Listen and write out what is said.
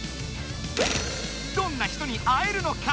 どんな人に会えるのか？